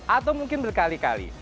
atau mungkin berkali kali